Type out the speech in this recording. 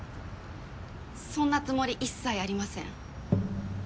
そんなつもり一切ありません。